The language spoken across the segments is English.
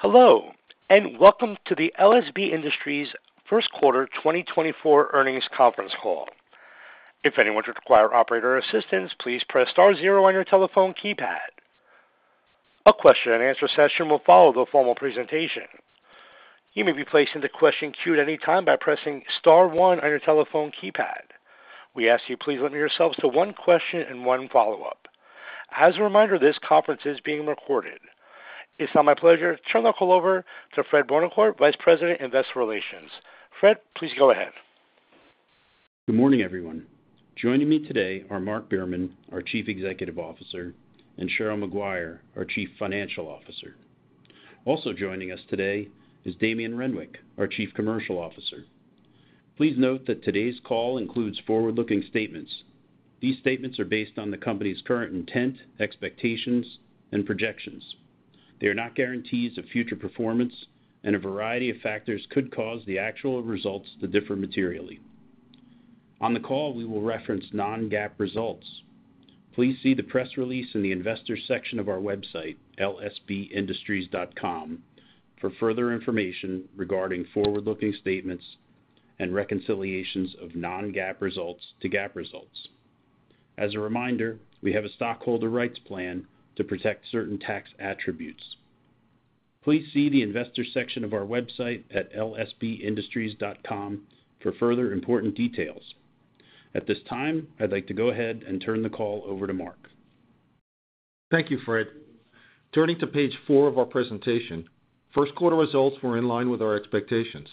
Hello and welcome to the LSB Industries first quarter 2024 earnings conference call. If anyone should require operator assistance, please press star zero on your telephone keypad. A question and answer session will follow the formal presentation. You may be placed into question queue at any time by pressing star one on your telephone keypad. We ask you please limit yourselves to one question and one follow-up. As a reminder, this conference is being recorded. It's now my pleasure to turn the call over to Fred Buonocore, Vice President, Investor Relations. Fred, please go ahead. Good morning, everyone. Joining me today are Mark Behrman, our Chief Executive Officer, and Cheryl Maguire, our Chief Financial Officer. Also joining us today is Damien Renwick, our Chief Commercial Officer. Please note that today's call includes forward-looking statements. These statements are based on the company's current intent, expectations, and projections. They are not guarantees of future performance, and a variety of factors could cause the actual results to differ materially. On the call, we will reference non-GAAP results. Please see the press release in the investors section of our website, LSBIndustries.com, for further information regarding forward-looking statements and reconciliations of non-GAAP results to GAAP results. As a reminder, we have a stockholder rights plan to protect certain tax attributes. Please see the investors section of our website at LSBIndustries.com for further important details. At this time, I'd like to go ahead and turn the call over to Mark. Thank you, Fred. Turning to page four of our presentation, first quarter results were in line with our expectations.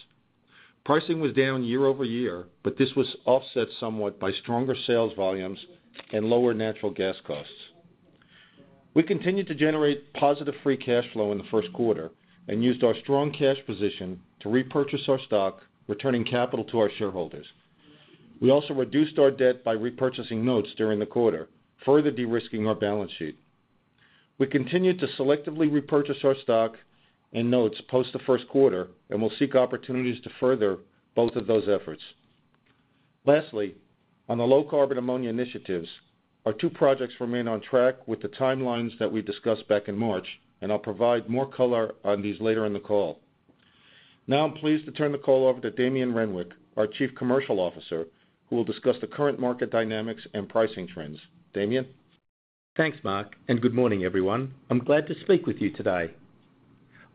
Pricing was down year-over-year, but this was offset somewhat by stronger sales volumes and lower natural gas costs. We continued to generate positive free cash flow in the first quarter and used our strong cash position to repurchase our stock, returning capital to our shareholders. We also reduced our debt by repurchasing notes during the quarter, further de-risking our balance sheet. We continued to selectively repurchase our stock and notes post the first quarter, and we'll seek opportunities to further both of those efforts. Lastly, on the low-carbon ammonia initiatives, our two projects remain on track with the timelines that we discussed back in March, and I'll provide more color on these later in the call. Now I'm pleased to turn the call over to Damien Renwick, our Chief Commercial Officer, who will discuss the current market dynamics and pricing trends. Damien? Thanks, Mark, and good morning, everyone. I'm glad to speak with you today.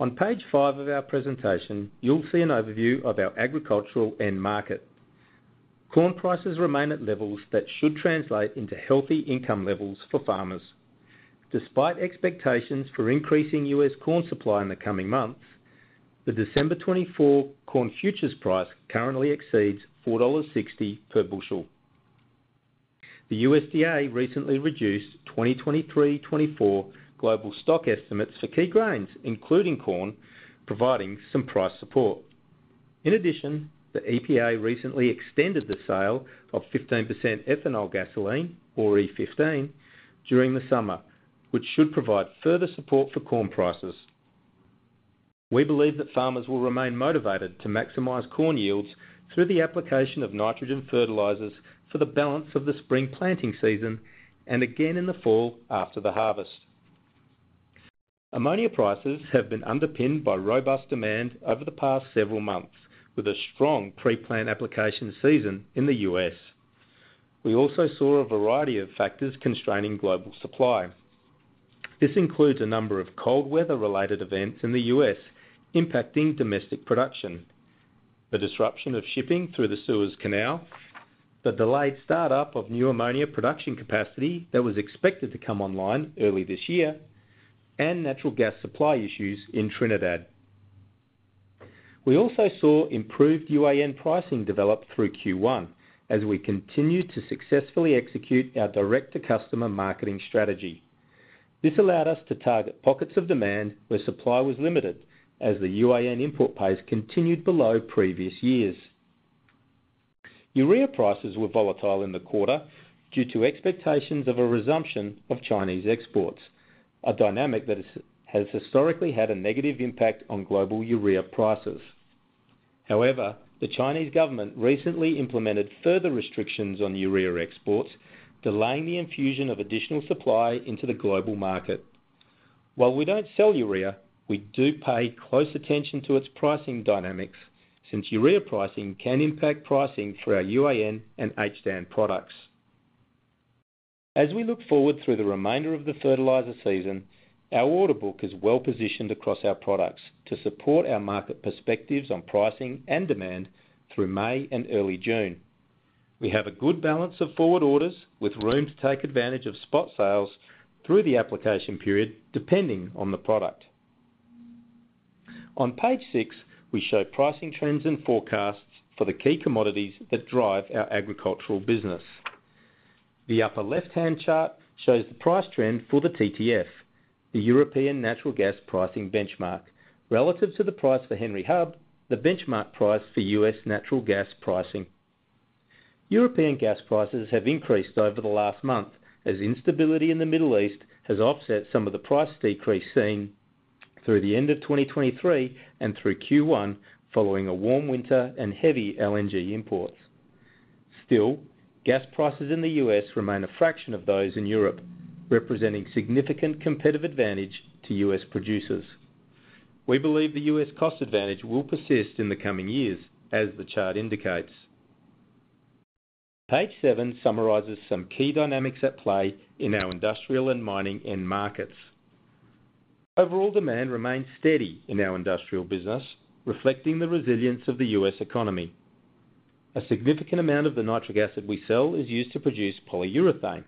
On page 5 of our presentation, you'll see an overview of our agricultural end market. Corn prices remain at levels that should translate into healthy income levels for farmers. Despite expectations for increasing U.S. corn supply in the coming months, the December 2024 corn futures price currently exceeds $4.60 per bushel. The USDA recently reduced 2023/2024 global stock estimates for key grains, including corn, providing some price support. In addition, the EPA recently extended the sale of 15% ethanol gasoline, or E15, during the summer, which should provide further support for corn prices. We believe that farmers will remain motivated to maximize corn yields through the application of nitrogen fertilizers for the balance of the spring planting season and again in the fall after the harvest. Ammonia prices have been underpinned by robust demand over the past several months, with a strong pre-plant application season in the U.S. We also saw a variety of factors constraining global supply. This includes a number of cold-weather-related events in the U.S. impacting domestic production, the disruption of shipping through the Suez Canal, the delayed startup of new ammonia production capacity that was expected to come online early this year, and natural gas supply issues in Trinidad. We also saw improved UAN pricing develop through Q1 as we continued to successfully execute our direct-to-customer marketing strategy. This allowed us to target pockets of demand where supply was limited as the UAN import pace continued below previous years. Urea prices were volatile in the quarter due to expectations of a resumption of Chinese exports, a dynamic that has historically had a negative impact on global urea prices. However, the Chinese government recently implemented further restrictions on urea exports, delaying the infusion of additional supply into the global market. While we don't sell urea, we do pay close attention to its pricing dynamics since urea pricing can impact pricing for our UAN and HDAN products. As we look forward through the remainder of the fertilizer season, our order book is well-positioned across our products to support our market perspectives on pricing and demand through May and early June. We have a good balance of forward orders with room to take advantage of spot sales through the application period depending on the product. On page 6, we show pricing trends and forecasts for the key commodities that drive our agricultural business. The upper left-hand chart shows the price trend for the TTF, the European Natural Gas Pricing Benchmark, relative to the price for Henry Hub, the benchmark price for U.S. natural gas pricing. European gas prices have increased over the last month as instability in the Middle East has offset some of the price decrease seen through the end of 2023 and through Q1 following a warm winter and heavy LNG imports. Still, gas prices in the U.S. remain a fraction of those in Europe, representing significant competitive advantage to U.S. producers. We believe the U.S. cost advantage will persist in the coming years as the chart indicates. Page seven summarizes some key dynamics at play in our industrial and mining end markets. Overall demand remains steady in our industrial business, reflecting the resilience of the U.S. economy. A significant amount of the nitric acid we sell is used to produce polyurethane.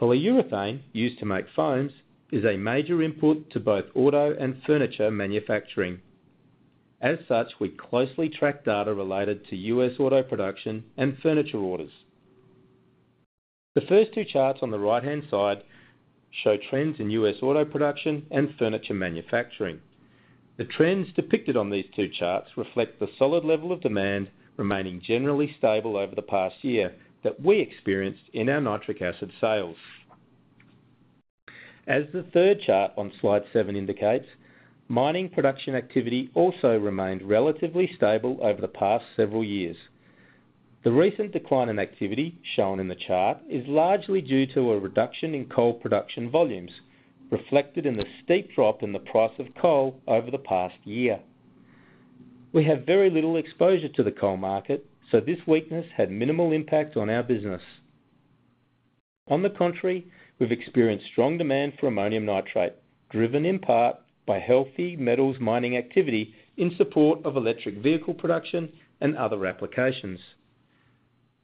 Polyurethane, used to make foams, is a major input to both auto and furniture manufacturing. As such, we closely track data related to U.S. auto production and furniture orders. The first two charts on the right-hand side show trends in U.S. auto production and furniture manufacturing. The trends depicted on these two charts reflect the solid level of demand remaining generally stable over the past year that we experienced in our nitric acid sales. As the third chart on slide 7 indicates, mining production activity also remained relatively stable over the past several years. The recent decline in activity shown in the chart is largely due to a reduction in coal production volumes, reflected in the steep drop in the price of coal over the past year. We have very little exposure to the coal market, so this weakness had minimal impact on our business. On the contrary, we've experienced strong demand for ammonium nitrate, driven in part by healthy metals mining activity in support of electric vehicle production and other applications.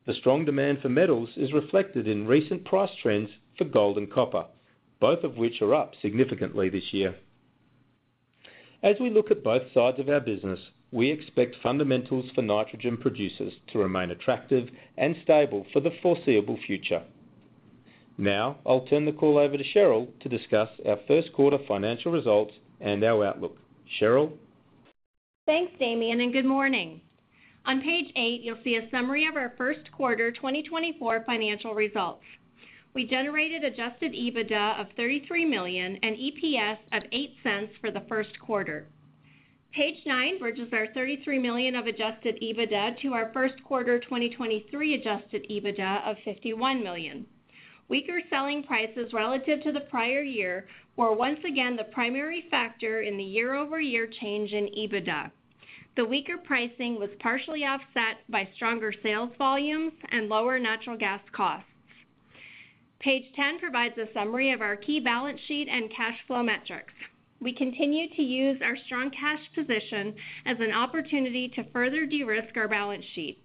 The strong demand for metals is reflected in recent price trends for gold and copper, both of which are up significantly this year. As we look at both sides of our business, we expect fundamentals for nitrogen producers to remain attractive and stable for the foreseeable future. Now I'll turn the call over to Cheryl to discuss our first quarter financial results and our outlook. Cheryl? Thanks, Damien, and good morning. On page eight, you'll see a summary of our first quarter 2024 financial results. We generated Adjusted EBITDA of $33 million and EPS of $0.08 for the first quarter. Page nine bridges our $33 million of Adjusted EBITDA to our first quarter 2023 Adjusted EBITDA of $51 million. Weaker selling prices relative to the prior year were once again the primary factor in the year-over-year change in EBITDA. The weaker pricing was partially offset by stronger sales volumes and lower natural gas costs. Page 10 provides a summary of our key balance sheet and cash flow metrics. We continue to use our strong cash position as an opportunity to further de-risk our balance sheet.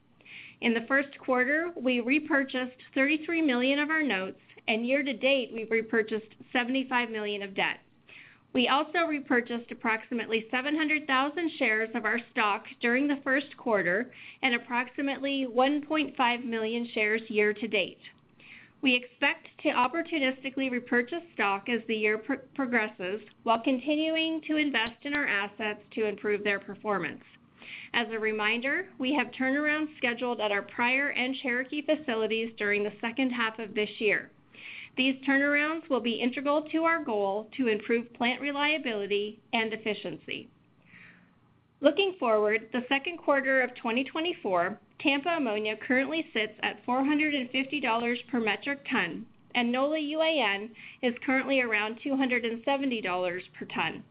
In the first quarter, we repurchased $33 million of our notes, and year-to-date, we've repurchased $75 million of debt. We also repurchased approximately 700,000 shares of our stock during the first quarter and approximately 1.5 million shares year to date. We expect to opportunistically repurchase stock as the year progresses while continuing to invest in our assets to improve their performance. As a reminder, we have turnarounds scheduled at our Pryor and Cherokee facilities during the second half of this year. These turnarounds will be integral to our goal to improve plant reliability and efficiency. Looking forward, the second quarter of 2024, Tampa ammonia currently sits at $450 per metric ton, and NOLA UAN is currently around $270 per ton.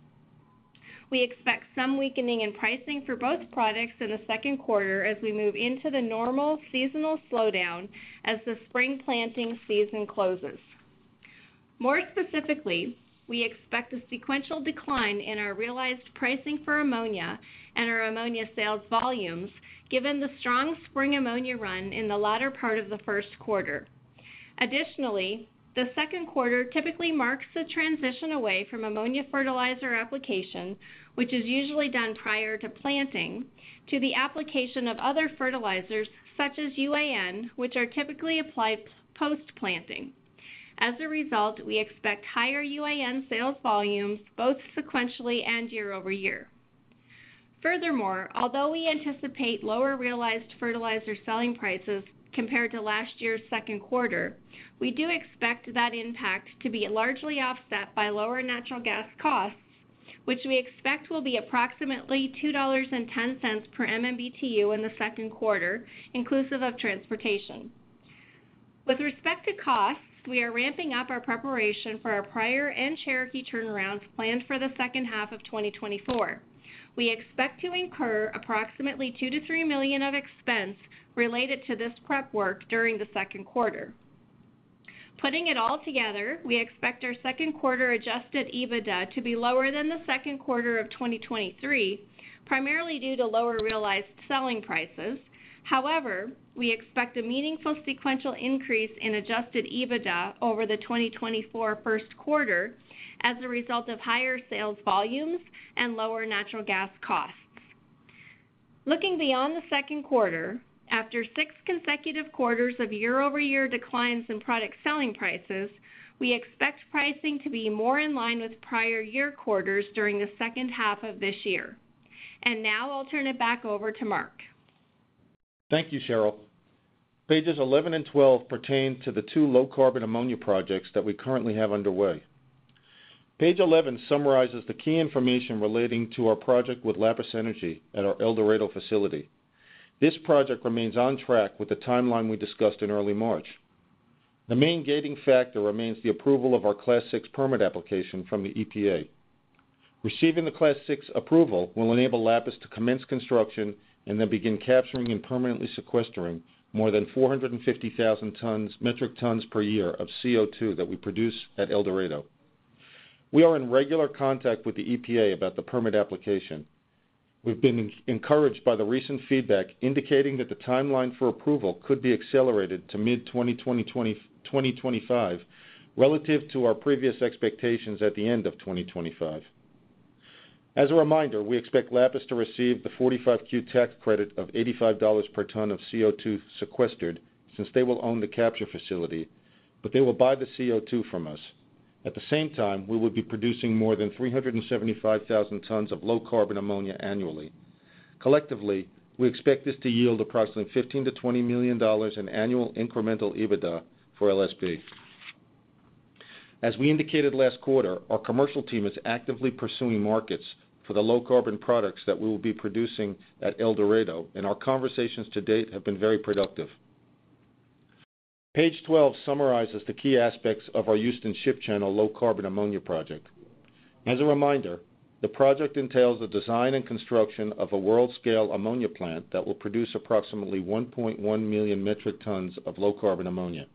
We expect some weakening in pricing for both products in the second quarter as we move into the normal seasonal slowdown as the spring planting season closes. More specifically, we expect a sequential decline in our realized pricing for ammonia and our ammonia sales volumes given the strong spring ammonia run in the latter part of the first quarter. Additionally, the second quarter typically marks a transition away from ammonia fertilizer application, which is usually done prior to planting, to the application of other fertilizers such as UAN, which are typically applied post-planting. As a result, we expect higher UAN sales volumes both sequentially and year-over-year. Furthermore, although we anticipate lower realized fertilizer selling prices compared to last year's second quarter, we do expect that impact to be largely offset by lower natural gas costs, which we expect will be approximately $2.10 per MMBTU in the second quarter, inclusive of transportation. With respect to costs, we are ramping up our preparation for our Pryor and Cherokee turnarounds planned for the second half of 2024. We expect to incur approximately $2 million-$3 million of expense related to this prep work during the second quarter. Putting it all together, we expect our second quarter Adjusted EBITDA to be lower than the second quarter of 2023, primarily due to lower realized selling prices. However, we expect a meaningful sequential increase in Adjusted EBITDA over the 2024 first quarter as a result of higher sales volumes and lower natural gas costs. Looking beyond the second quarter, after six consecutive quarters of year-over-year declines in product selling prices, we expect pricing to be more in line with prior year quarters during the second half of this year. Now I'll turn it back over to Mark. Thank you, Cheryl. Pages 11 and 12 pertain to the two low-carbon ammonia projects that we currently have underway. Page 11 summarizes the key information relating to our project with Lapis Energy at our El Dorado facility. This project remains on track with the timeline we discussed in early March. The main gating factor remains the approval of our Class VI permit application from the EPA. Receiving the Class VI approval will enable Lapis to commence construction and then begin capturing and permanently sequestering more than 450,000 metric tons per year of CO2 that we produce at El Dorado. We are in regular contact with the EPA about the permit application. We've been encouraged by the recent feedback indicating that the timeline for approval could be accelerated to mid-2025 relative to our previous expectations at the end of 2025. As a reminder, we expect Lapis to receive the 45Q tax credit of $85 per ton of CO2 sequestered since they will own the capture facility, but they will buy the CO2 from us. At the same time, we would be producing more than 375,000 tons of low-carbon ammonia annually. Collectively, we expect this to yield approximately $15-$20 million in annual incremental EBITDA for LSB. As we indicated last quarter, our commercial team is actively pursuing markets for the low-carbon products that we will be producing at El Dorado, and our conversations to date have been very productive. Page 12 summarizes the key aspects of our Houston Ship Channel low-carbon ammonia project. As a reminder, the project entails the design and construction of a world-scale ammonia plant that will produce approximately 1.1 million metric tons of low-carbon ammonia.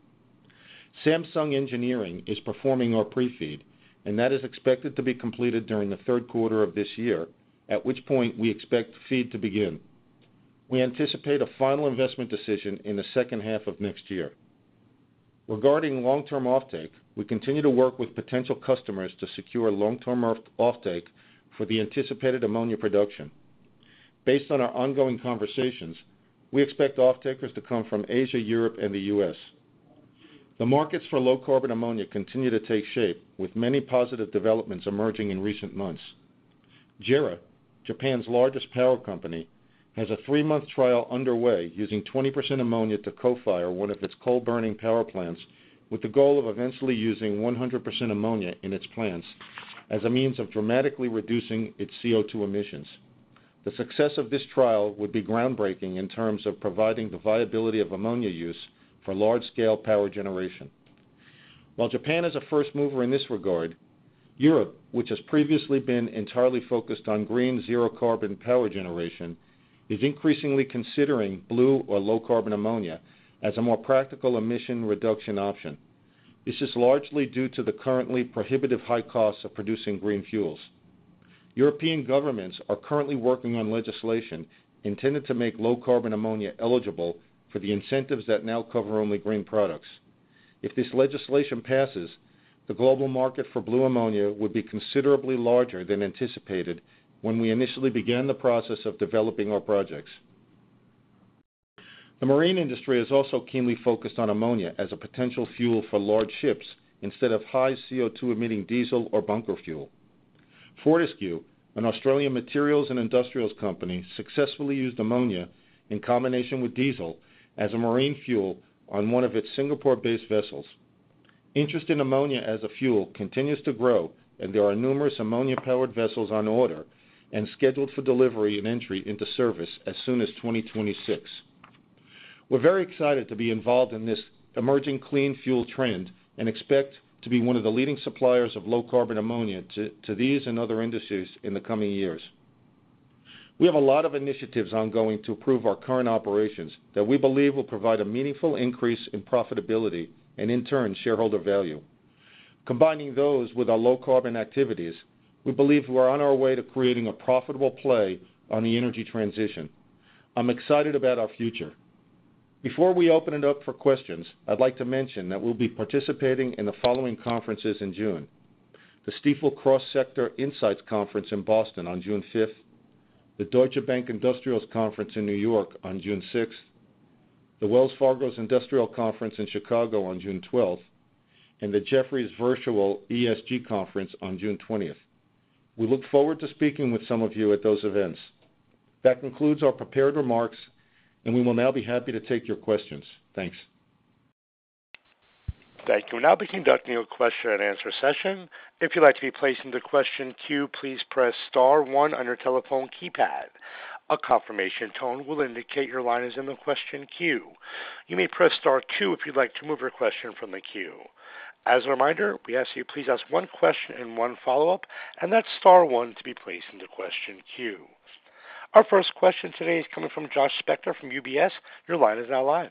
Samsung Engineering is performing our pre-FEED, and that is expected to be completed during the third quarter of this year, at which point we expect FEED to begin. We anticipate a final investment decision in the second half of next year. Regarding long-term offtake, we continue to work with potential customers to secure long-term offtake for the anticipated ammonia production. Based on our ongoing conversations, we expect offtakers to come from Asia, Europe, and the U.S.. The markets for low-carbon ammonia continue to take shape, with many positive developments emerging in recent months. JERA, Japan's largest power company, has a three-month trial underway using 20% ammonia to co-fire one of its coal-burning power plants with the goal of eventually using 100% ammonia in its plants as a means of dramatically reducing its CO2 emissions. The success of this trial would be groundbreaking in terms of providing the viability of ammonia use for large-scale power generation. While Japan is a first mover in this regard, Europe, which has previously been entirely focused on green Zero-carbon power generation, is increasingly considering blue or low-carbon ammonia as a more practical emission reduction option. This is largely due to the currently prohibitive high costs of producing green fuels. European governments are currently working on legislation intended to make low-carbon ammonia eligible for the incentives that now cover only green products. If this legislation passes, the global market for blue ammonia would be considerably larger than anticipated when we initially began the process of developing our projects. The marine industry is also keenly focused on ammonia as a potential fuel for large ships instead of high CO2-emitting diesel or bunker fuel. Fortescue, an Australian materials and industrials company, successfully used ammonia in combination with diesel as a marine fuel on one of its Singapore-based vessels. Interest in ammonia as a fuel continues to grow, and there are numerous ammonia-powered vessels on order and scheduled for delivery and entry into service as soon as 2026. We're very excited to be involved in this emerging clean fuel trend and expect to be one of the leading suppliers of low-carbon ammonia to these and other industries in the coming years. We have a lot of initiatives ongoing to improve our current operations that we believe will provide a meaningful increase in profitability and, in turn, shareholder value. Combining those with our low-carbon activities, we believe we are on our way to creating a profitable play on the energy transition. I'm excited about our future. Before we open it up for questions, I'd like to mention that we'll be participating in the following conferences in June: the Stifel Cross-Sector Insights Conference in Boston on June 5th, the Deutsche Bank Industrials Conference in New York on June 6th, the Wells Fargo's Industrial Conference in Chicago on June 12th, and the Jefferies Virtual ESG Conference on June 20th. We look forward to speaking with some of you at those events. That concludes our prepared remarks, and we will now be happy to take your questions. Thanks. Thank you. We're now beginning our question and answer session. If you'd like to be placed in the question queue, please press star one on your telephone keypad. A confirmation tone will indicate your line is in the question queue. You may press star two if you'd like to move your question from the queue. As a reminder, we ask that you please ask one question and one follow-up, and that's star one to be placed in the question queue. Our first question today is coming from Josh Spector from UBS. Your line is now live.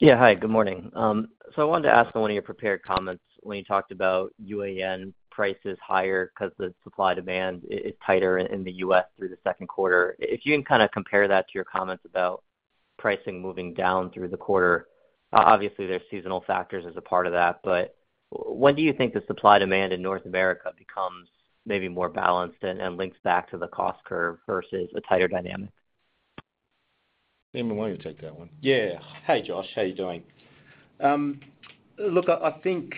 Yeah. Hi. Good morning. So I wanted to ask one of your prepared comments when you talked about UAN prices higher because the supply-demand is tighter in the U.S. through the second quarter. If you can kind of compare that to your comments about pricing moving down through the quarter. Obviously, there are seasonal factors as a part of that, but when do you think the supply-demand in North America becomes maybe more balanced and links back to the cost curve versus a tighter dynamic? Damien, why don't you take that one? Yeah. Hi, Josh. How are you doing? Look, I think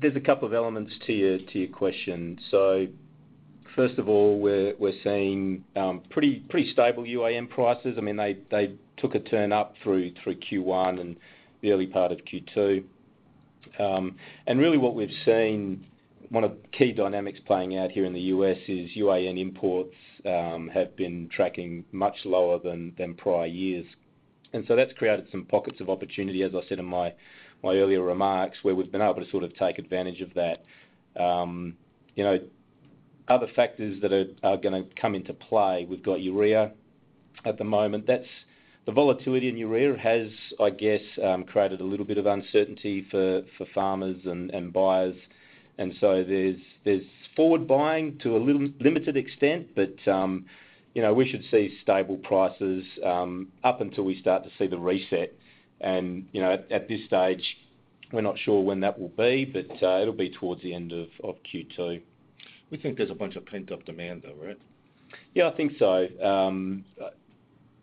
there's a couple of elements to your question. So first of all, we're seeing pretty stable UAN prices. I mean, they took a turn up through Q1 and the early part of Q2. And really, what we've seen, one of the key dynamics playing out here in the U.S. is UAN imports have been tracking much lower than prior years. And so that's created some pockets of opportunity, as I said in my earlier remarks, where we've been able to sort of take advantage of that. Other factors that are going to come into play, we've got urea at the moment. The volatility in urea has, I guess, created a little bit of uncertainty for farmers and buyers. And so there's forward buying to a limited extent, but we should see stable prices up until we start to see the reset. At this stage, we're not sure when that will be, but it'll be towards the end of Q2. We think there's a bunch of pent-up demand, though, right? Yeah, I think so.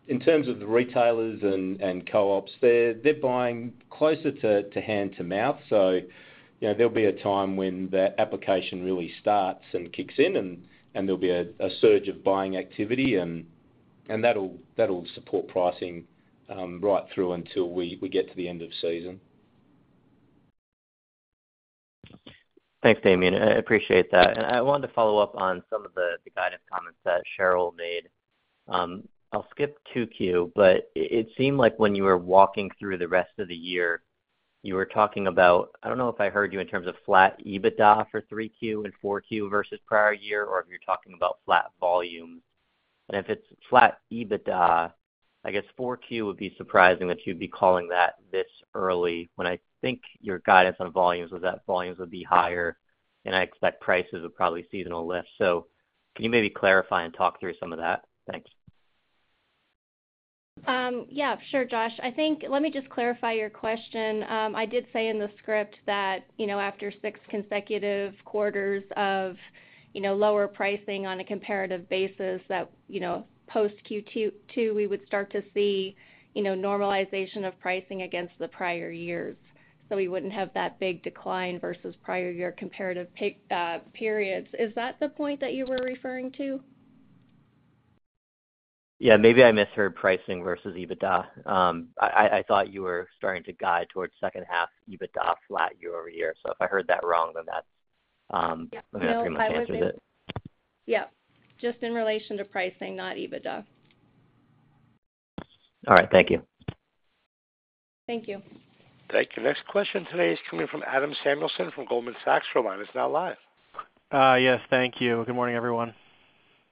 In terms of the retailers and co-ops, they're buying closer to hand-to-mouth. So there'll be a time when that application really starts and kicks in, and there'll be a surge of buying activity, and that'll support pricing right through until we get to the end of season. Thanks, Damien. I appreciate that. I wanted to follow up on some of the guidance comments that Cheryl made. I'll skip 2Q, but it seemed like when you were walking through the rest of the year, you were talking about, I don't know if I heard you, in terms of flat EBITDA for 3Q and 4Q versus prior year, or if you're talking about flat volumes. And if it's flat EBITDA, I guess 4Q would be surprising that you'd be calling that this early. When I think your guidance on volumes was that volumes would be higher, and I expect prices would probably seasonally lift. So can you maybe clarify and talk through some of that? Thanks. Yeah, sure, Josh. Let me just clarify your question. I did say in the script that after six consecutive quarters of lower pricing on a comparative basis, that post-Q2, we would start to see normalization of pricing against the prior years. So we wouldn't have that big decline versus prior year comparative periods. Is that the point that you were referring to? Yeah. Maybe I misheard pricing versus EBITDA. I thought you were starting to guide towards second-half EBITDA flat year-over-year. So if I heard that wrong, then that's pretty much the answer to it. Yeah. Yeah. Just in relation to pricing, not EBITDA. All right. Thank you. Thank you. Thank you. Next question today is coming from Adam Samuelson from Goldman Sachs. Your line is now live. Yes. Thank you. Good morning, everyone.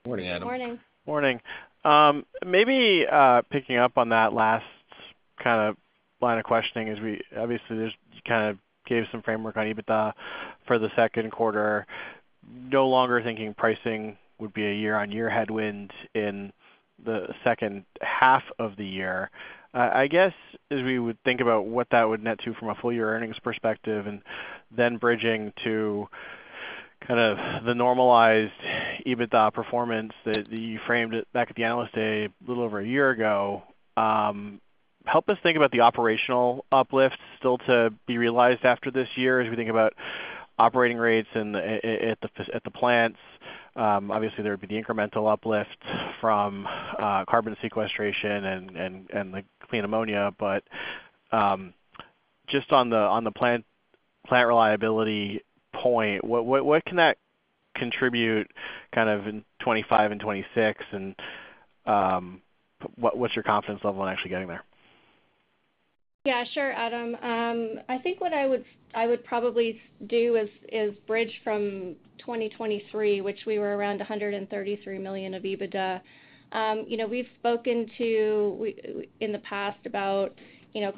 Good morning, Adam. Good morning. Morning. Maybe picking up on that last kind of line of questioning is we obviously, you kind of gave some framework on EBITDA for the second quarter. No longer thinking pricing would be a year-on-year headwind in the second half of the year. I guess, as we would think about what that would net to from a full-year earnings perspective and then bridging to kind of the normalized EBITDA performance that you framed it back at the analyst day a little over a year ago, help us think about the operational uplifts still to be realized after this year as we think about operating rates at the plants. Obviously, there would be the incremental uplift from carbon sequestration and the clean ammonia. But just on the plant reliability point, what can that contribute kind of in 2025 and 2026, and what's your confidence level in actually getting there? Yeah, sure, Adam. I think what I would probably do is bridge from 2023, which we were around $133 million of EBITDA. We've spoken to in the past about,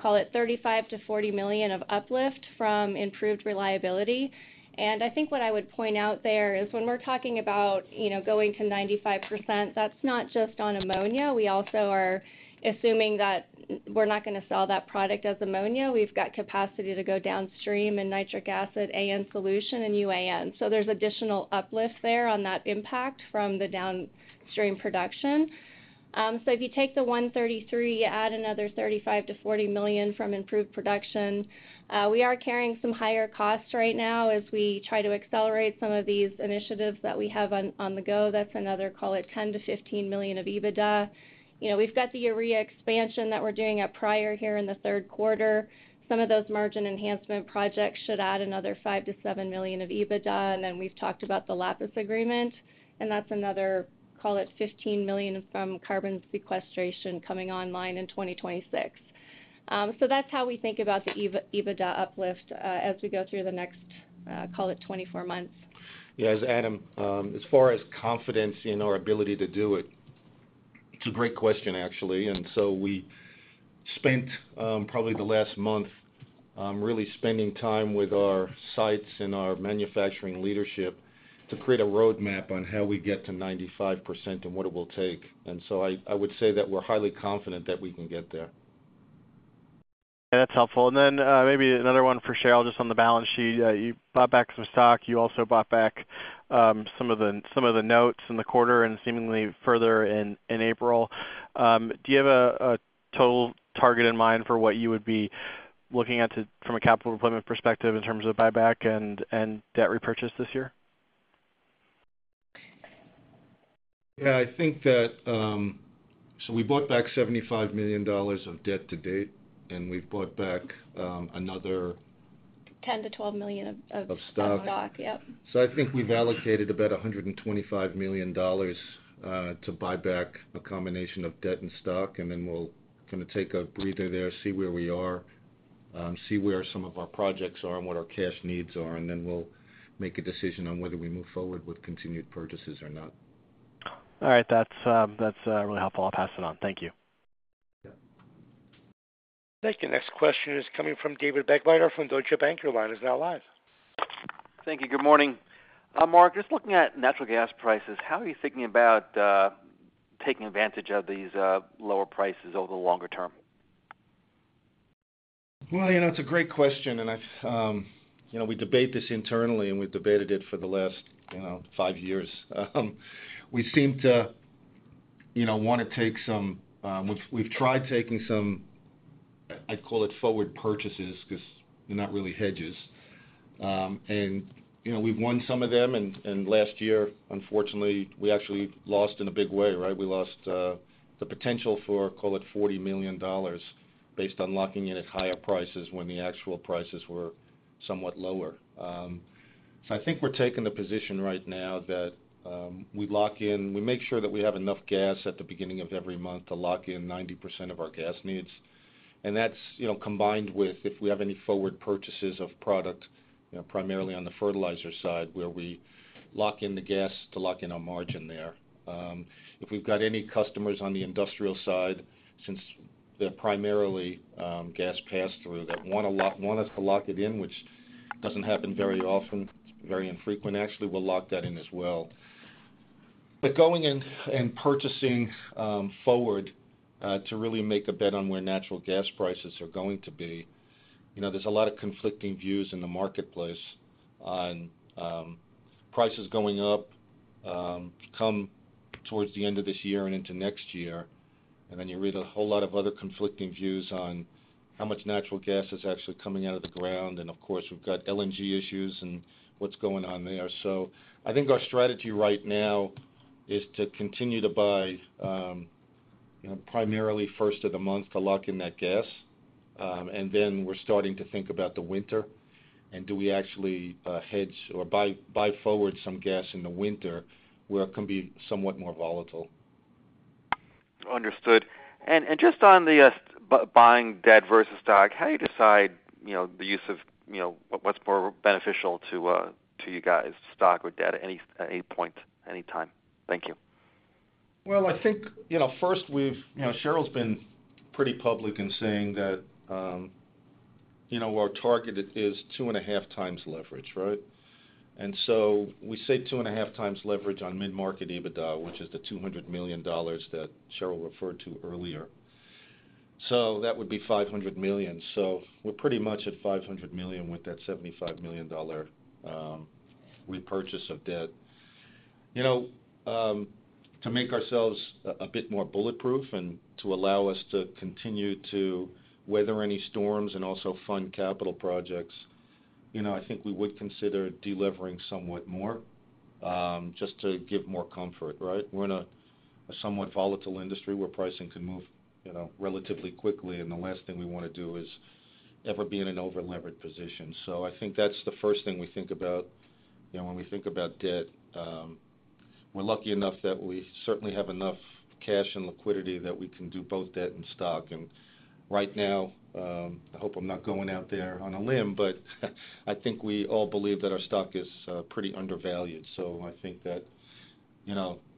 call it, $35 million-$40 million of uplift from improved reliability. And I think what I would point out there is when we're talking about going to 95%, that's not just on ammonia. We also are assuming that we're not going to sell that product as ammonia. We've got capacity to go downstream in nitric acid, AN solution, and UAN. So there's additional uplift there on that impact from the downstream production. So if you take the $133 million, you add another $35 million-$40 million from improved production. We are carrying some higher costs right now as we try to accelerate some of these initiatives that we have on the go. That's another, call it, $10 million-$15 million of EBITDA. We've got the urea expansion that we're doing at Pryor here in the third quarter. Some of those margin enhancement projects should add another $5 million-$7 million of EBITDA. And then we've talked about the Lapis agreement, and that's another, call it, $15 million from carbon sequestration coming online in 2026. So that's how we think about the EBITDA uplift as we go through the next, call it, 24 months. Yeah. As Adam, as far as confidence in our ability to do it, it's a great question, actually. And so we spent probably the last month really spending time with our sites and our manufacturing leadership to create a roadmap on how we get to 95% and what it will take. And so I would say that we're highly confident that we can get there. Yeah. That's helpful. And then maybe another one for Cheryl, just on the balance sheet. You bought back some stock. You also bought back some of the notes in the quarter and seemingly further in April. Do you have a total target in mind for what you would be looking at from a capital deployment perspective in terms of buyback and debt repurchase this year? Yeah. I think that we bought back $75 million of debt to date, and we've bought back another. 10-12 million of stock. Of stock. Of stock. Yep. I think we've allocated about $125 million to buy back a combination of debt and stock. We'll kind of take a breather there, see where we are, see where some of our projects are and what our cash needs are, and then we'll make a decision on whether we move forward with continued purchases or not. All right. That's really helpful. I'll pass it on. Thank you. Thank you. Next question is coming from David Begleiter from Deutsche Bank. Your line is now live. Thank you. Good morning. Mark, just looking at natural gas prices, how are you thinking about taking advantage of these lower prices over the longer term? Well, it's a great question, and we debate this internally, and we've debated it for the last 5 years. We seem to want to take some. We've tried taking some, I'd call it, forward purchases because they're not really hedges. And we've won some of them. And last year, unfortunately, we actually lost in a big way, right? We lost the potential for, call it, $40 million based on locking in at higher prices when the actual prices were somewhat lower. So I think we're taking the position right now that we lock in. We make sure that we have enough gas at the beginning of every month to lock in 90% of our gas needs. And that's combined with if we have any forward purchases of product, primarily on the fertilizer side, where we lock in the gas to lock in our margin there. If we've got any customers on the industrial side, since they're primarily gas pass-through, that want us to lock it in, which doesn't happen very often, it's very infrequent, actually, we'll lock that in as well. But going in and purchasing forward to really make a bet on where natural gas prices are going to be, there's a lot of conflicting views in the marketplace on prices going up towards the end of this year and into next year. Then you read a whole lot of other conflicting views on how much natural gas is actually coming out of the ground. Of course, we've got LNG issues and what's going on there. So I think our strategy right now is to continue to buy primarily first of the month to lock in that gas. Then we're starting to think about the winter. Do we actually hedge or buy forward some gas in the winter where it can be somewhat more volatile? Understood. Just on the buying debt versus stock, how do you decide the use of what's more beneficial to you guys, stock or debt, at any point, any time? Thank you. Well, I think first, Cheryl's been pretty public in saying that our target is 2.5x leverage, right? And so we say 2.5x leverage on mid-market EBITDA, which is the $200 million that Cheryl referred to earlier. So that would be $500 million. So we're pretty much at $500 million with that $75 million repurchase of debt. To make ourselves a bit more bulletproof and to allow us to continue to weather any storms and also fund capital projects, I think we would consider delevering somewhat more just to give more comfort, right? We're in a somewhat volatile industry where pricing can move relatively quickly, and the last thing we want to do is ever be in an overlevered position. So I think that's the first thing we think about when we think about debt. We're lucky enough that we certainly have enough cash and liquidity that we can do both debt and stock. And right now, I hope I'm not going out there on a limb, but I think we all believe that our stock is pretty undervalued. So I think that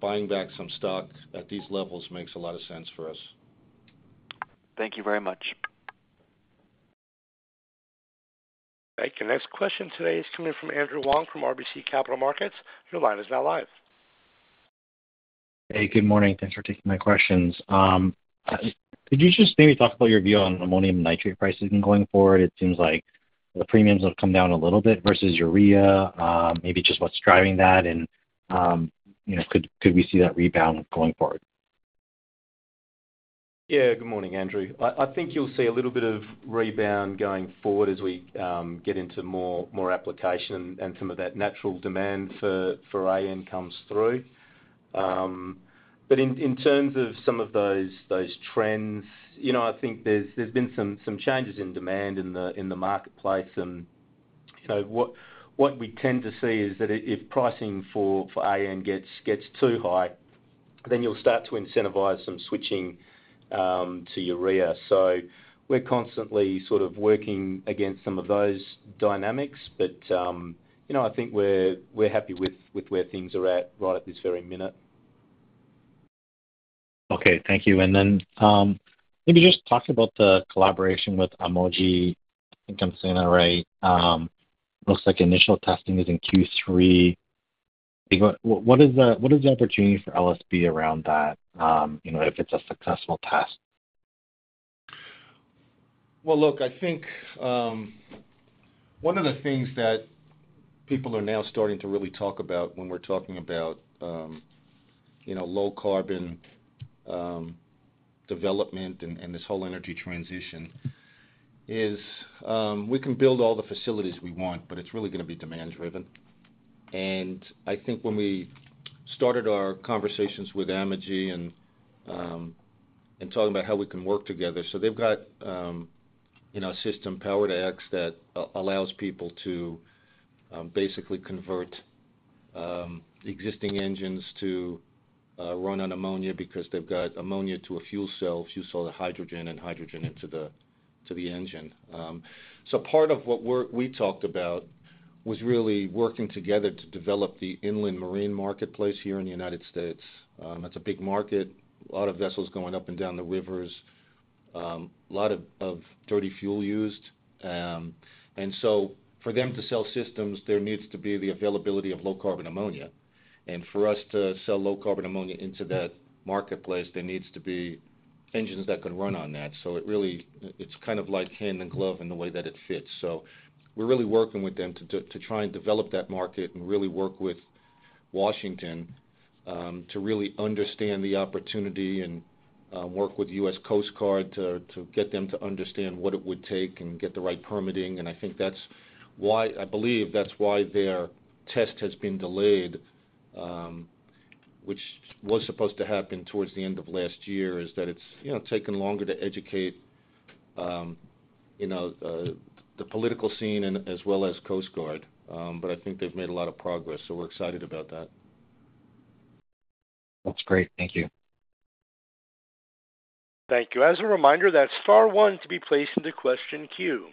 buying back some stock at these levels makes a lot of sense for us. Thank you very much. Thank you. Next question today is coming from Andrew Wong from RBC Capital Markets. Your line is now live. Hey. Good morning. Thanks for taking my questions. Could you just maybe talk about your view on ammonium nitrate prices going forward? It seems like the premiums have come down a little bit versus urea. Maybe just what's driving that, and could we see that rebound going forward? Yeah. Good morning, Andrew. I think you'll see a little bit of rebound going forward as we get into more application and some of that natural demand for AN comes through. But in terms of some of those trends, I think there's been some changes in demand in the marketplace. And what we tend to see is that if pricing for AN gets too high, then you'll start to incentivize some switching to urea. So we're constantly sort of working against some of those dynamics, but I think we're happy with where things are at right at this very minute. Okay. Thank you. And then maybe just talk about the collaboration with Amogy. I think I'm saying that right. Looks like initial testing is in Q3. What is the opportunity for LSB around that if it's a successful test? Well, look, I think one of the things that people are now starting to really talk about when we're talking about low-carbon development and this whole energy transition is we can build all the facilities we want, but it's really going to be demand-driven. And I think when we started our conversations with Amogy and talking about how we can work together so they've got a system, Power-to-X, that allows people to basically convert existing engines to run on ammonia because they've got ammonia to a fuel cell. Fuel cell to hydrogen and hydrogen into the engine. So part of what we talked about was really working together to develop the inland marine marketplace here in the United States. That's a big market. A lot of vessels going up and down the rivers. A lot of dirty fuel used. And so for them to sell systems, there needs to be the availability of low-carbon ammonia. And for us to sell low-carbon ammonia into that marketplace, there needs to be engines that can run on that. So it's kind of like hand and glove in the way that it fits. So we're really working with them to try and develop that market and really work with Washington to really understand the opportunity and work with U.S. Coast Guard to get them to understand what it would take and get the right permitting. And I think that's why I believe that's why their test has been delayed, which was supposed to happen towards the end of last year, is that it's taken longer to educate the political scene as well as Coast Guard. But I think they've made a lot of progress, so we're excited about that. That's great. Thank you. Thank you. As a reminder, that's star one to be placed into question Q.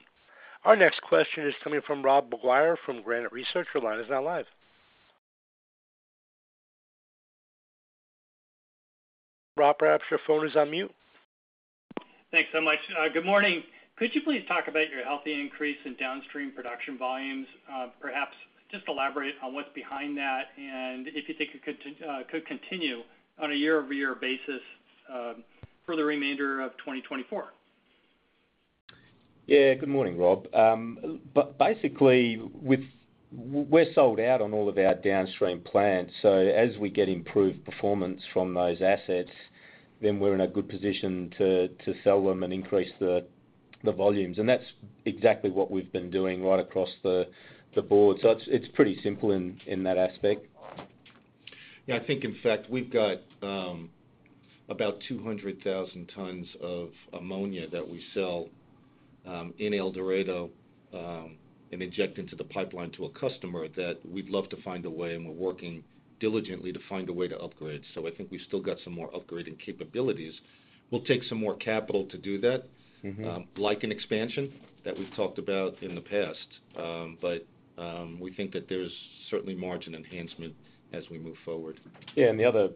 Our next question is coming from Rob McGuire from Granite Research. Your line is now live. Rob, perhaps your phone is on mute. Thanks so much. Good morning. Could you please talk about your healthy increase in downstream production volumes? Perhaps just elaborate on what's behind that and if you think it could continue on a year-over-year basis for the remainder of 2024? Yeah. Good morning, Rob. Basically, we're sold out on all of our downstream plants. So as we get improved performance from those assets, then we're in a good position to sell them and increase the volumes. And that's exactly what we've been doing right across the board. So it's pretty simple in that aspect. Yeah. I think, in fact, we've got about 200,000 tons of ammonia that we sell in El Dorado and inject into the pipeline to a customer that we'd love to find a way, and we're working diligently to find a way to upgrade. So I think we've still got some more upgrading capabilities. We'll take some more capital to do that, like an expansion that we've talked about in the past. But we think that there's certainly margin enhancement as we move forward. Yeah. And the other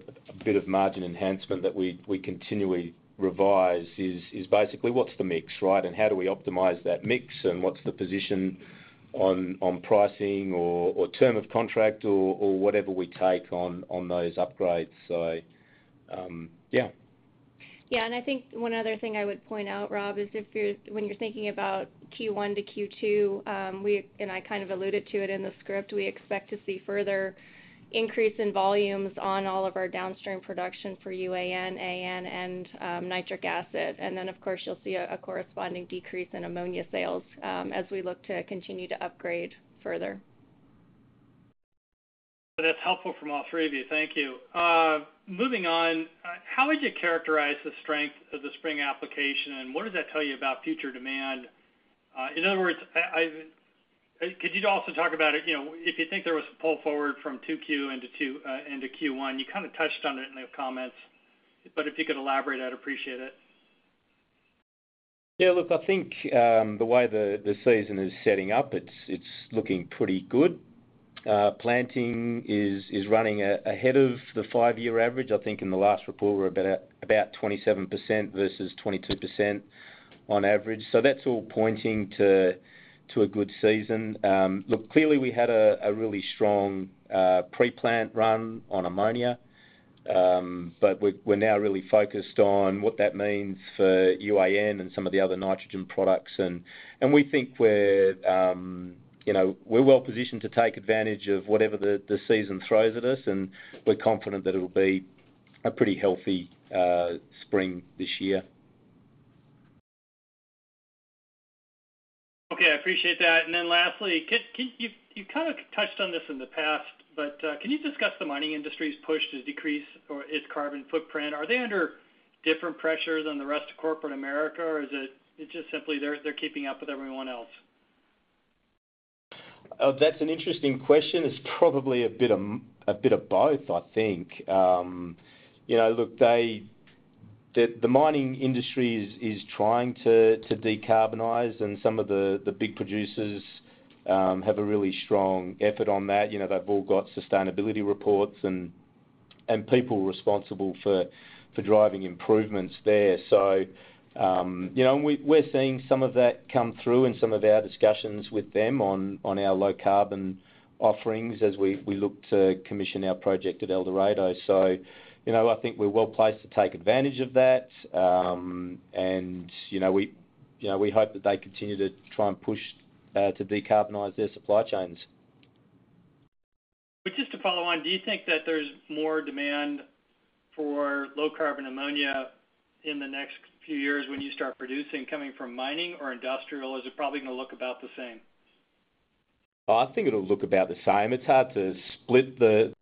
bit of margin enhancement that we continually revise is basically what's the mix, right? And how do we optimize that mix? And what's the position on pricing or term of contract or whatever we take on those upgrades? So yeah. Yeah. And I think one other thing I would point out, Rob, is when you're thinking about Q1 to Q2, and I kind of alluded to it in the script, we expect to see further increase in volumes on all of our downstream production for UAN, AN, and nitric acid. And then, of course, you'll see a corresponding decrease in ammonia sales as we look to continue to upgrade further. That's helpful from all three of you. Thank you. Moving on, how would you characterize the strength of the spring application, and what does that tell you about future demand? In other words, could you also talk about it if you think there was a pull forward from 2Q into Q1? You kind of touched on it in the comments, but if you could elaborate, I'd appreciate it. Yeah. Look, I think the way the season is setting up, it's looking pretty good. Planting is running ahead of the five-year average. I think in the last report, we're about 27% vs. 22% on average. So that's all pointing to a good season. Look, clearly, we had a really strong pre-plant run on ammonia, but we're now really focused on what that means for UAN and some of the other nitrogen products. And we think we're well positioned to take advantage of whatever the season throws at us, and we're confident that it'll be a pretty healthy spring this year. Okay. I appreciate that. And then lastly, you kind of touched on this in the past, but can you discuss the mining industry's push to decrease its carbon footprint? Are they under different pressures than the rest of corporate America, or is it just simply they're keeping up with everyone else? That's an interesting question. It's probably a bit of both, I think. Look, the mining industry is trying to decarbonize, and some of the big producers have a really strong effort on that. They've all got sustainability reports and people responsible for driving improvements there. So we're seeing some of that come through in some of our discussions with them on our low-carbon offerings as we look to commission our project at El Dorado. So I think we're well placed to take advantage of that. And we hope that they continue to try and push to decarbonize their supply chains. Just to follow on, do you think that there's more demand for low-carbon ammonia in the next few years when you start producing coming from mining or industrial? Or is it probably going to look about the same? I think it'll look about the same. It's hard to split the.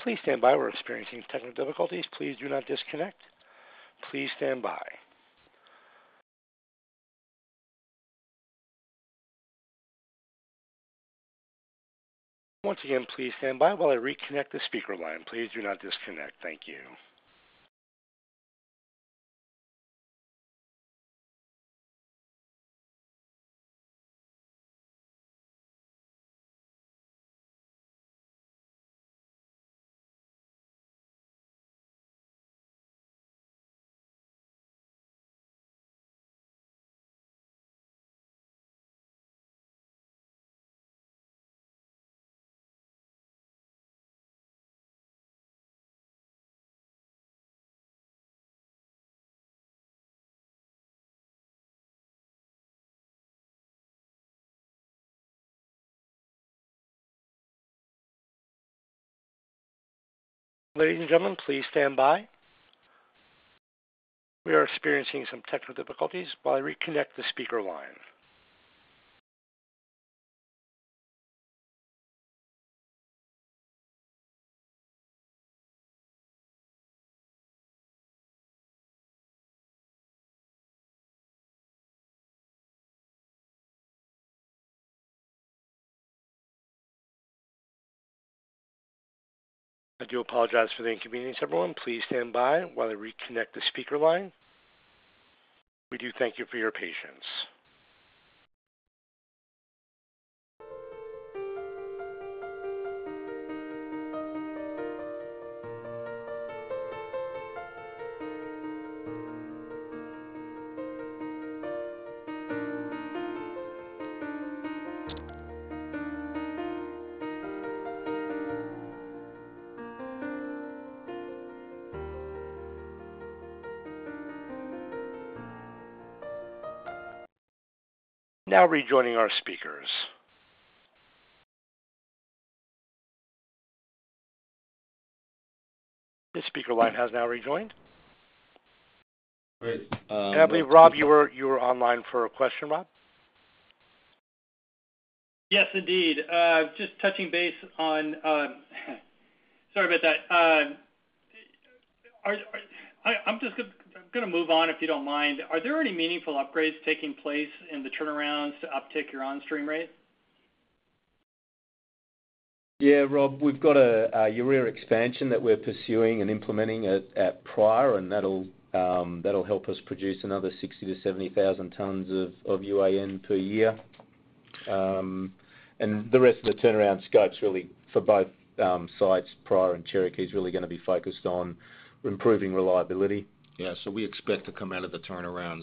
Please stand by. We're experiencing technical difficulties. Please do not disconnect. Please stand by. Once again, please stand by while I reconnect the speaker line. Please do not disconnect. Thank you. Ladies and gentlemen, please stand by. We are experiencing some technical difficulties while I reconnect the speaker line. I do apologize for the inconvenience, everyone. Please stand by while I reconnect the speaker line. We do thank you for your patience. Now rejoining our speakers. The speaker line has now rejoined. Great. And I believe, Rob, you were online for a question, Rob. Yes, indeed. Just touching base on, sorry about that. I'm going to move on if you don't mind. Are there any meaningful upgrades taking place in the turnarounds to uptick your onstream rate? Yeah, Rob. We've got a urea expansion that we're pursuing and implementing at Pryor, and that'll help us produce another 60,000-70,000 tons of UAN per year. The rest of the turnaround scopes, really, for both sites, Pryor and Cherokee, is really going to be focused on improving reliability. Yeah. So we expect to come out of the turnarounds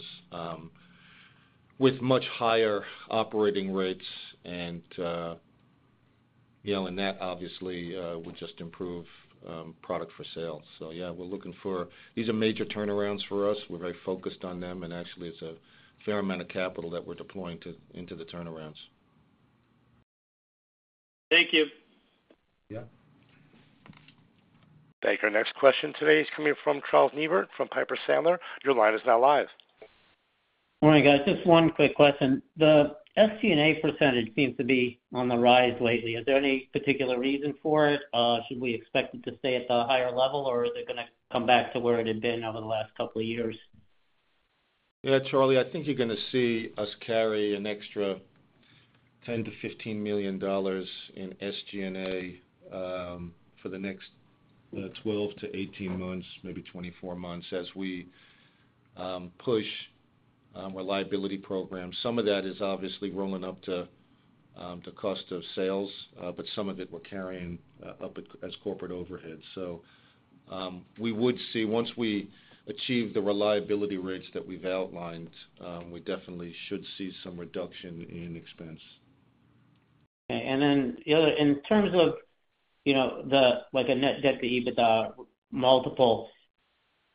with much higher operating rates. And in that, obviously, would just improve product for sale. So yeah, we're looking for these are major turnarounds for us. We're very focused on them, and actually, it's a fair amount of capital that we're deploying into the turnarounds. Thank you. Yeah. Thank you. Our next question today is coming from Charles Neivert from Piper Sandler. Your line is now live. Morning, guys. Just one quick question. The SG&A percentage seems to be on the rise lately. Is there any particular reason for it? Should we expect it to stay at the higher level, or is it going to come back to where it had been over the last couple of years? Yeah, Charlie, I think you're going to see us carry an extra $10 million-$15 million in SG&A for the next 12 months-18 months, maybe 24 months, as we push reliability programs. Some of that is obviously rolling up to cost of sales, but some of it we're carrying up as corporate overhead. So we would see once we achieve the reliability rates that we've outlined, we definitely should see some reduction in expense. Okay. And then in terms of the net debt to EBITDA multiple,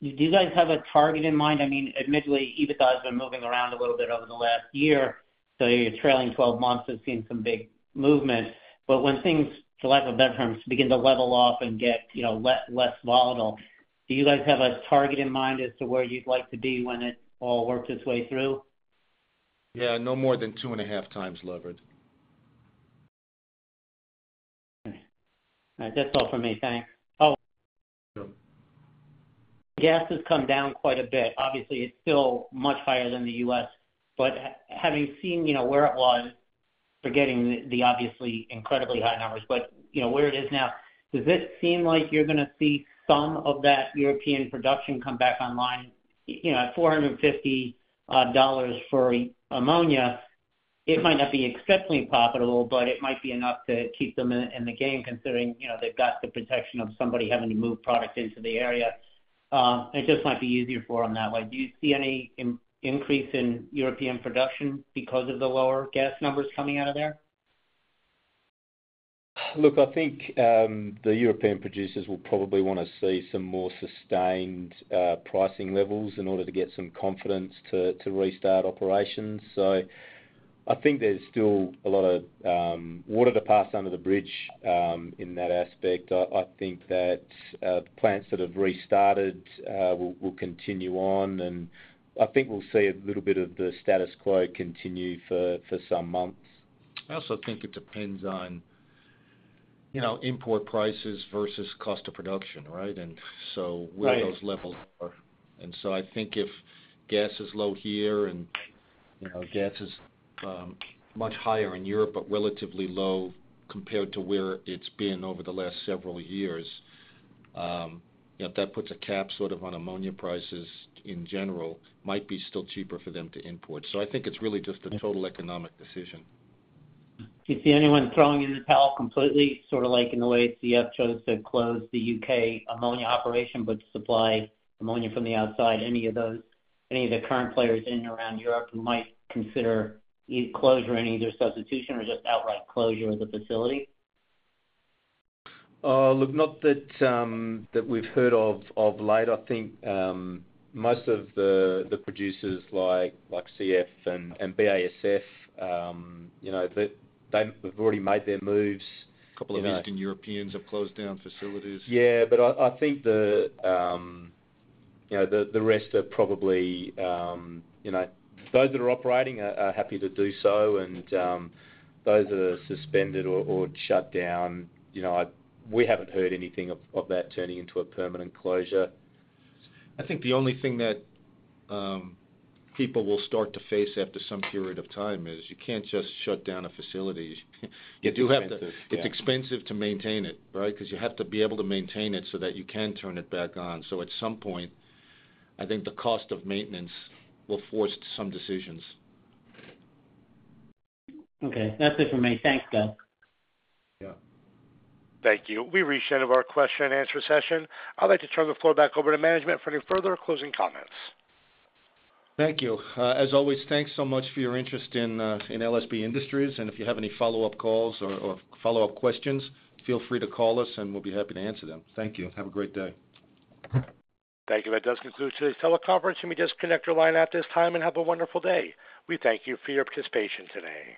do you guys have a target in mind? I mean, admittedly, EBITDA has been moving around a little bit over the last year, so you're trailing 12 months of seeing some big movement. But when things, for lack of a better term, begin to level off and get less volatile, do you guys have a target in mind as to where you'd like to be when it all works its way through? Yeah. No more than 2.5x levered. Okay. All right. That's all from me. Thanks. Oh. Yeah. Gas has come down quite a bit. Obviously, it's still much higher than the U.S.. But having seen where it was, forgetting the obviously incredibly high numbers, but where it is now, does this seem like you're going to see some of that European production come back online? At $450 for ammonia, it might not be exceptionally profitable, but it might be enough to keep them in the game considering they've got the protection of somebody having to move product into the area. It just might be easier for them that way. Do you see any increase in European production because of the lower gas numbers coming out of there? Look, I think the European producers will probably want to see some more sustained pricing levels in order to get some confidence to restart operations. So I think there's still a lot of water to pass under the bridge in that aspect. I think that plants that have restarted will continue on, and I think we'll see a little bit of the status quo continue for some months. I also think it depends on import prices versus cost of production, right? And so where those levels are. And so I think if gas is low here and gas is much higher in Europe but relatively low compared to where it's been over the last several years, if that puts a cap sort of on ammonia prices in general, it might be still cheaper for them to import. So I think it's really just a total economic decision. Do you see anyone throwing in the towel completely, sort of like in the way CF chose to close the UK ammonia operation but supply ammonia from the outside? Any of the current players in and around Europe who might consider closure in either substitution or just outright closure of the facility? Look, not that we've heard of late. I think most of the producers like CF and BASF, they've already made their moves. A couple of Eastern Europeans have closed down facilities. Yeah. But I think the rest are probably those that are operating, are happy to do so, and those that are suspended or shut down. We haven't heard anything of that turning into a permanent closure. I think the only thing that people will start to face after some period of time is you can't just shut down a facility. You do have to, it's expensive to maintain it, right? Because you have to be able to maintain it so that you can turn it back on. So at some point, I think the cost of maintenance will force some decisions. Okay. That's it from me. Thanks, guys. Yeah. Thank you. We reached the end of our question-and-answer session. I'd like to turn the floor back over to management for any further or closing comments. Thank you. As always, thanks so much for your interest in LSB Industries. If you have any follow-up calls or follow-up questions, feel free to call us, and we'll be happy to answer them. Thank you. Have a great day. Thank you. That does conclude today's teleconference. You may disconnect your line at this time and have a wonderful day. We thank you for your participation today.